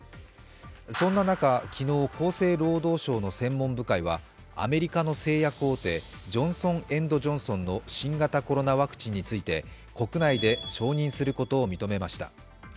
そんな中、昨日、厚生労働省の専門部会はアメリカの製薬大手ジョンソン・エンド・ジョンソンの新型コロナワクチンについて、国内で承認することを認めました。